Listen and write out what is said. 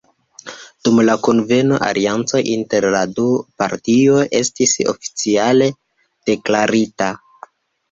Dum la kunveno, alianco inter la du partioj estis oficiale deklarita.